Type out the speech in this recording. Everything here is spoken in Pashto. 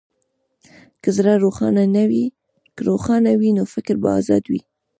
که زړه روښانه وي، نو فکر به ازاد وي.